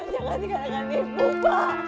pak jangan tinggalkan ibu pak